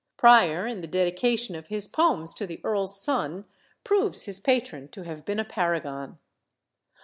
Prior, in the dedication of his poems to the earl's son, proves his patron to have been a paragon.